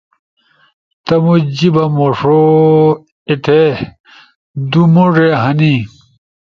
تمو جیِبا مُوݜو ایتھے۔ دُو مُوڙے ہنے۔